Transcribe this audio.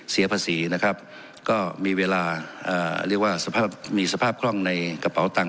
เสียภาษีนะครับก็มีเวลาเรียกว่าสภาพมีสภาพคล่องในกระเป๋าตังค